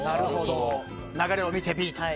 流れを見てＢと。